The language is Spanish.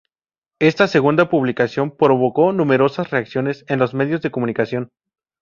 Esta segunda publicación provocó numerosas reacciones en los medios de comunicación.